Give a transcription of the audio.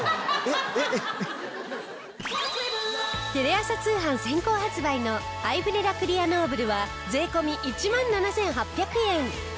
テレ朝通販先行発売のアイブレラクリアノーブルは税込１万７８００円。